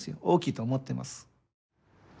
大きいと思ってます。